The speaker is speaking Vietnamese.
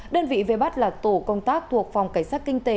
đơn vị vây bắt là tổ công tác thuộc phòng cảnh sát kinh tế